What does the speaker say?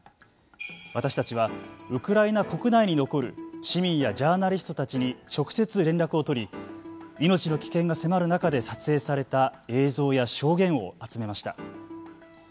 私たちは、ウクライナ国内に残る市民やジャーナリストたちに直接、連絡を取り命の危険が迫る中で撮影された映像や証言を集めました。